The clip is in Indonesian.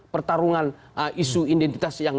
pertarungan isu identitas yang